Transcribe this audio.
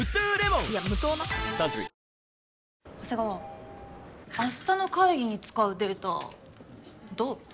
長谷川明日の会議に使うデータどう？